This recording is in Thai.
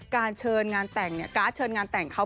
การ์ดเชิญงานแต่งเขาเป็นสีน้ำเงินนะฮะ